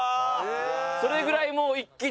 それぐらいもう一気に。